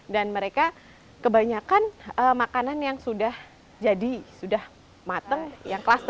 dan mereka kebanyakan makanan yang sudah jadi sudah matang yang klaster